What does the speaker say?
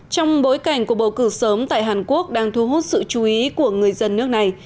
trong bối cảnh cuộc bầu cử sớm tại hàn quốc đang thu hút sự chú ý của người dân nước này